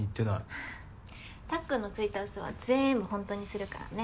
ははったっくんのついたうそは全部ほんとにするからね。